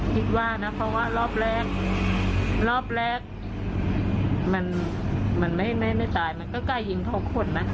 เพราะว่ารอบแรกมันไม่ตายมันน่ากลายยิงทุกคน